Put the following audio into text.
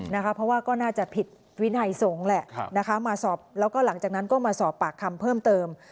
เพราะว่าก็น่าจะผิดวินัยสงฆ์แหละนะคะมาสอบแล้วก็หลังจากนั้นก็มาสอบปากคำเพิ่มเติม